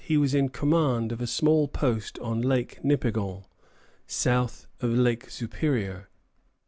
] In 1728, he was in command of a small post on Lake Nipegon, north of Lake Superior.